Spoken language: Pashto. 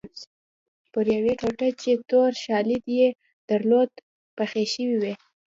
پر یوې ټوټه چې تور شالید یې درلود بخۍ شوې وې.